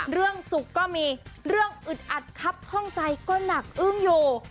เรื่องสุขก็มีเรื่องอึดอัดครับข้องใจก็หนักอึ้งอยู่